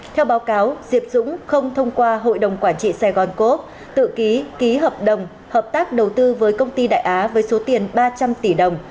theo báo cáo diệp dũng không thông qua hội đồng quản trị sài gòn cố tự ký ký hợp đồng hợp tác đầu tư với công ty đại á với số tiền ba trăm linh tỷ đồng